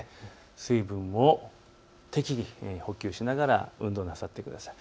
水分を適宜補給しながら運動をなさってください。